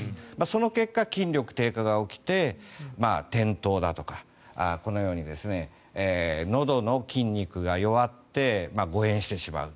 その結果、筋力低下が起きて転倒だとかこのように、のどの筋肉が弱って誤嚥してしまう。